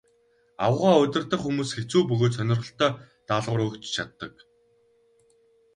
Аугаа удирдах хүмүүс хэцүү бөгөөд сонирхолтой даалгавар өгч чаддаг.